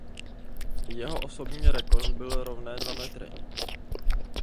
Jeho osobní rekord byl rovné dva metry.